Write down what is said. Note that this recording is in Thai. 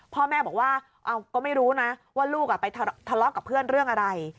พ่อแม่บอกว่าก็ไม่รู้นะว่าลูกไปทะเลาะกับเพื่อนเรื่องอะไร